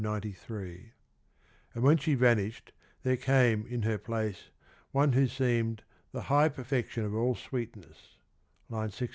593) and when she vanished there came in her place one who seemed the " high perfection of all sweetness " (607).